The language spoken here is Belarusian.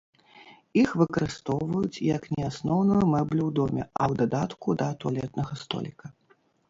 Іх выкарыстоўваюць як не асноўную мэблю ў доме, а ў дадатку да туалетнага століка.